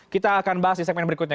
kita akan bahas di segmen berikutnya